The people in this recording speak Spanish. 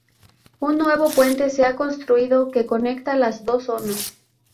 Un nuevo puente se ha construido que conecta las dos zonas.